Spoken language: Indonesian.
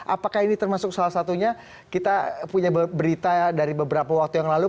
apakah ini termasuk salah satunya kita punya berita dari beberapa waktu yang lalu